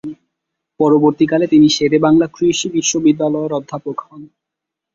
পরবর্তীকালে তিনি শেরেবাংলা কৃষি বিশ্ববিদ্যালয়ের অধ্যাপক হন।